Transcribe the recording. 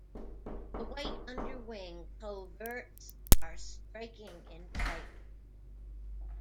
The white underwing coverts are striking in flight.